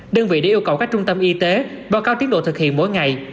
đơn vị đã yêu cầu các trung tâm y tế báo cáo tiến độ thực hiện mỗi ngày